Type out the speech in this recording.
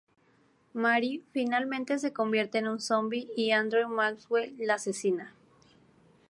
Mary finalmente se convierte en un zombi y Andrew Maxwell la asesina.